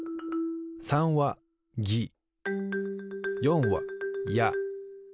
３は「ぎ」４は「や」